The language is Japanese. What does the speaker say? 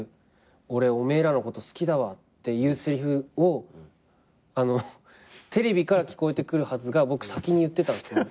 「俺お前らのこと好きだわ」っていうせりふをテレビから聞こえてくるはずが僕先に言ってたんですよ。